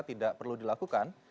tidak perlu dilakukan